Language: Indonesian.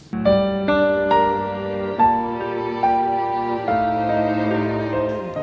gapal siner bangun